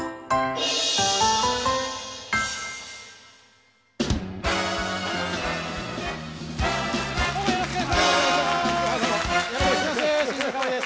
よろしくお願いします